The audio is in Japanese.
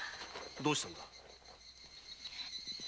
どうしたんだい？